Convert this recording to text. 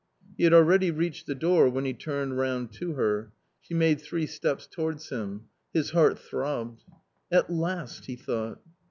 He had already reached the door, when he turned round to her. She made three steps towards him. His heart throbbed. " At last !" he thought.